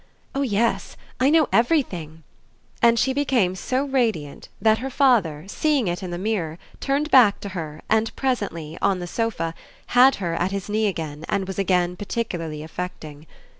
"Oh yes, I know everything!" and she became so radiant that her father, seeing it in the mirror, turned back to her and presently, on the sofa, had her at his knee again and was again particularly affecting.